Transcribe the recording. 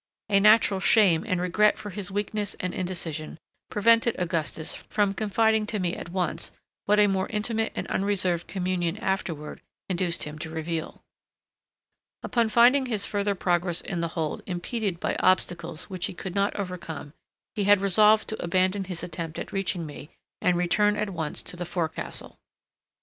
A natural shame and regret for his weakness and indecision prevented Augustus from confiding to me at once what a more intimate and unreserved communion afterward induced him to reveal. Upon finding his further progress in the hold impeded by obstacles which he could not overcome, he had resolved to abandon his attempt at reaching me, and return at once to the forecastle.